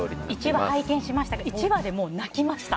１話拝見しましたが１話で泣きました。